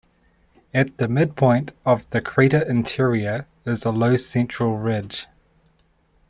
At the midpoint of the crater interior is a low central ridge.